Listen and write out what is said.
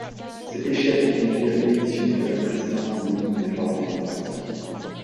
Cet échec le conduit à démissionner de la présidence de l'Union des forces démocratiques.